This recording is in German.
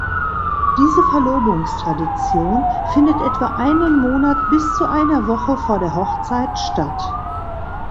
Diese Verlobungstradition findet etwa einen Monat bis zu einer Woche vor der Hochzeit statt.